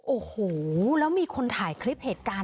โอ้โหแล้วมีคนถ่ายคลิปเหตุการณ์